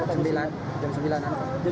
habis itu pak langsung melaporkan